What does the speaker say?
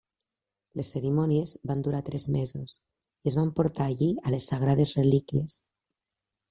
Les cerimònies van durar tres mesos i es van portar allí a les sagrades relíquies.